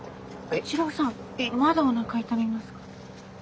一郎さんまだおなか痛みますか？